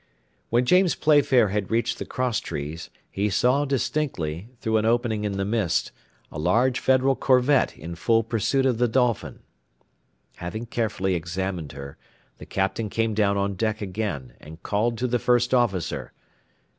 When James Playfair had reached the cross trees, he saw distinctly, through an opening in the mist, a large Federal corvette in full pursuit of the Dolphin. After having carefully examined her, the Captain came down on deck again, and called to the first officer.